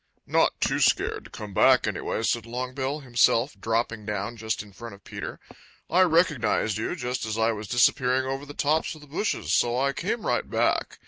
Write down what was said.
"Not too scared to come back, anyway," said Longbill himself, dropping down just in front of Peter. "I recognized you just as I was disappearing over the tops of the bushes, so I came right back.